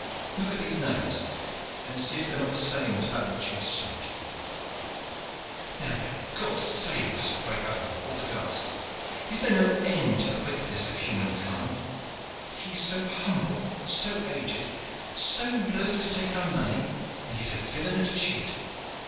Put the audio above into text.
Look at these nails, and see if they are not the same as that which he has sold you." "Now may God save us!" cried Alleyne, all aghast. "Is there no end then to the wickedness of humankind? He so humble, so aged, so loth to take our money and yet a villain and a cheat.